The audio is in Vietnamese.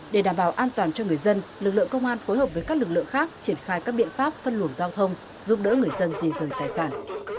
để đảm bảo an toàn cho người dân lực lượng công an phối hợp với các lực lượng khác triển khai các biện pháp phân luồng giao thông giúp đỡ người dân di rời tài sản